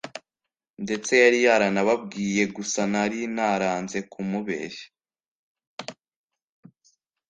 ndetse yari yaranabimbwiye gusa narinaranze kumubeshya